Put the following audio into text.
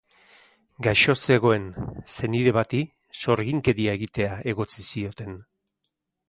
Gaixo zegoen senide bati sorginkeria egitea egotzi zioten.